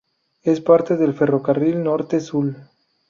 Es parte del Ferrocarril Norte-Sul.